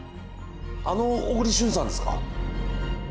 あの小栗旬さんですか？